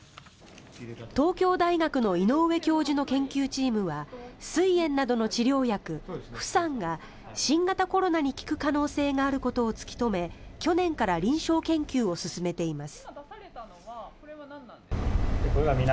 東京大学の井上教授の研究チームはすい炎などの治療薬フサンが新型コロナに効く可能性があることを突き止め去年から臨床研究を進めています。